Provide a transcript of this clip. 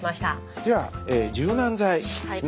では柔軟剤ですね